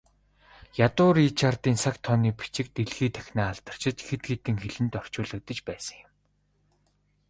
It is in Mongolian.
Ядуу Ричардын цаг тооны бичиг дэлхий дахинаа алдаршиж, хэд хэдэн хэлэнд орчуулагдаж байсан юм.